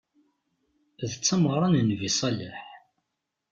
D tameɣra n Nnbi ṣṣaleḥ.